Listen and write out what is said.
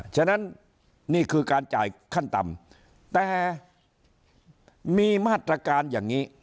ฉะนั้นนี่คือการจ่ายขั้นต่ำแต่มีมาตรการอย่างนี้